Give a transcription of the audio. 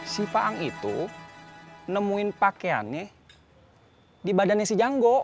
si paang itu nemuin pakaiannya di badannya si janggo